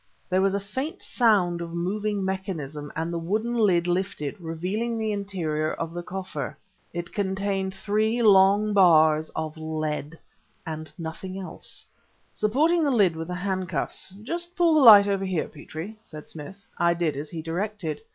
There was a faint sound of moving mechanism and the wooden lid lifted, revealing the interior of the coffer. It contained three long bars of lead and nothing else! Supporting the lid with the handcuffs "Just pull the light over here, Petrie," said Smith. I did as he directed.